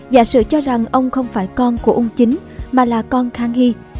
giả sử cho rằng ông không phải con của ung chính mà là con khang hy